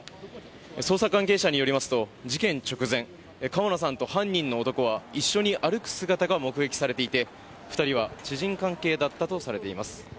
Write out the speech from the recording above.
捜査関係者によりますと事件直前川野さんと犯人の男は一緒に歩く姿が目撃されていて２人は知人関係だったとされています。